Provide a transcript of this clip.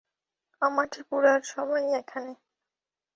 কামাঠিপুরার সবাই এখানে।